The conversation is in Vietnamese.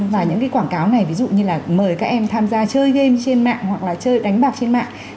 và những cái quảng cáo này ví dụ như là mời các em tham gia chơi game trên mạng hoặc là chơi đánh bạc trên mạng